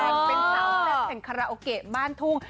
เป็นสัตว์แสดงคาราโอเกะบ้านทุ่ง